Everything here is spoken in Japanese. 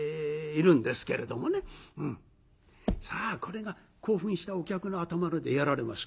さあこれが興奮したお客の頭の上でやられますから。